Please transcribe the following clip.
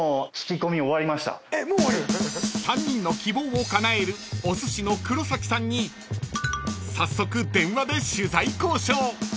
［３人の希望をかなえるおすしのくろさきさんに早速電話で取材交渉］